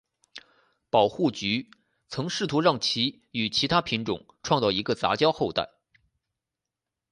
保护局曾试图让其与其它品种创造一个杂交后代。